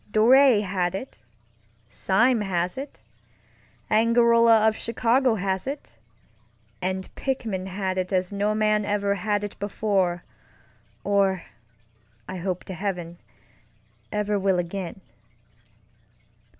Dor├® had it. Sime has it. Angarola of Chicago has it. And Pickman had it as no man ever had it before orŌĆöI hope to heavenŌĆöever will again.